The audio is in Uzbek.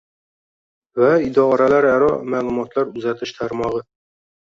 va idoralararo ma’lumotlar uzatish tarmog‘i